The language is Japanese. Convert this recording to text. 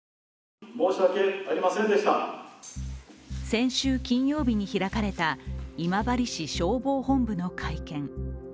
先週金曜日に開かれた今治市消防本部の会見。